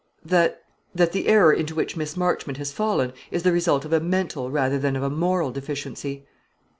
"That that the error into which Miss Marchmont has fallen is the result of a mental rather than of a moral deficiency."